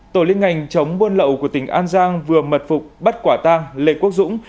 tổ liên ngành chống buôn lậu của tỉnh an giang vừa mật phục bắt quả tang lê quốc dũng